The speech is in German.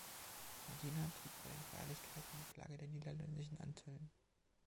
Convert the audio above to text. Martina trug bei den Feierlichkeiten die Flagge der Niederländischen Antillen.